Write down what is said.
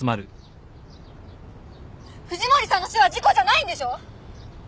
藤森さんの死は事故じゃないんでしょ！？